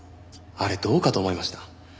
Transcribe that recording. あれどうかと思いました。